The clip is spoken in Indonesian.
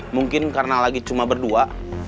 mungkin karena lagi cuma berdua